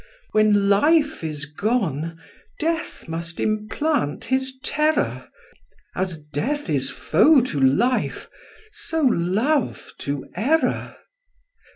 When life is gone, death must implant his terror: As death is foe to life, so love to error.